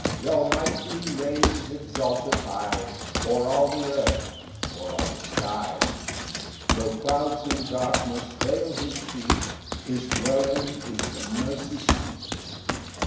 1 Th' Almighty reigns exalted high O'er all the earth, o'er all the sky, Tho' clouds and darkness veil his feet, His dwelling is the mercy seat.